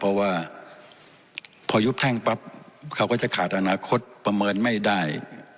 เพราะว่าพอยุบแท่งปั๊บเขาก็จะขาดอนาคตประเมินไม่ได้